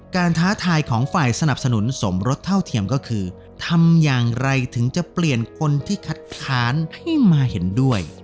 ท้าทายของฝ่ายสนับสนุนสมรสเท่าเทียมก็คือทำอย่างไรถึงจะเปลี่ยนคนที่คัดค้านให้มาเห็นด้วย